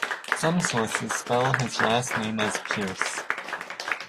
Some sources spell his last name as Pierce.